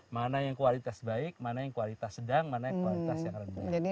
mana yang kualitas baik mana yang kualitas sedang mana yang kualitas yang rendah